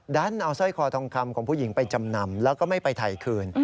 ดันเอาสร้อยคอทองคำของผู้หญิงไปจำนำแล้วก็ไม่ไปถ่ายคืน